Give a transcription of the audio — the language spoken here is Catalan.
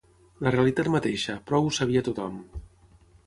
La realitat mateixa, prou ho sabia tothom.